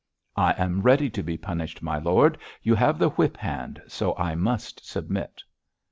'I am ready to be punished, my lord; you have the whip hand, so I must submit.'